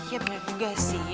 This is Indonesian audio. iya bener juga sih